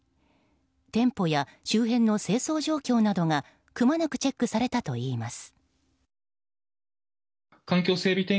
店舗や周辺の清掃状況などがくまなくチェックされたといいます。